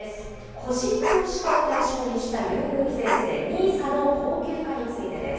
個人投資家を対象にした優遇税制、ＮＩＳＡの恒久化についてです。